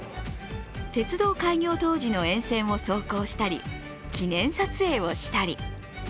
鉄道開業当時の沿線を走行したり記念撮影をしたり。